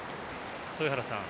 豊原さん